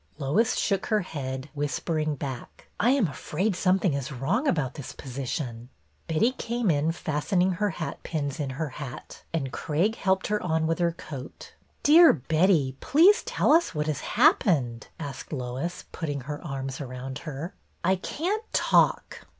Lois shook her head, whispering back: " I am afraid something is wrong about this position." Betty came in fastening her hatpins in her hat, and Craig helped her on with her coat. " Dear Betty, please tell us what has hap pened ?" asked Lois, putting her arms around her. " I can't talk."